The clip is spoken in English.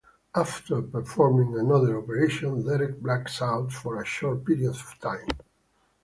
After performing another operation, Derek blacks out for a short period of time.